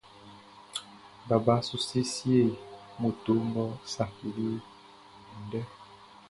Baba su siesie moto ngʼɔ saciliʼn andɛ.